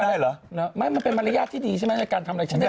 ทำมันเป็นมรยาติที่ดีใช่ไหมหล่ะการทำอะไร